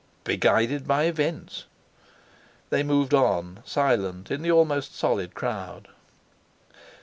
"Be guided by events." They moved on, silent, in the almost solid crowd.